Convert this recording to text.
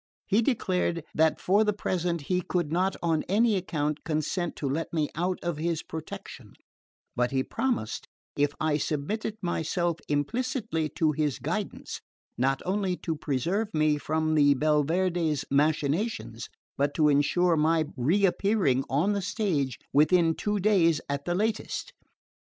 He declared that for the present he could not on any account consent to let me out of his protection; but he promised if I submitted myself implicitly to his guidance, not only to preserve me from the Belverde's machinations, but to ensure my reappearing on the stage within two days at the latest.